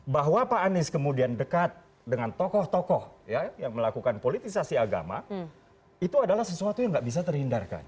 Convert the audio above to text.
bahwa pak anies kemudian dekat dengan tokoh tokoh yang melakukan politisasi agama itu adalah sesuatu yang tidak bisa terhindarkan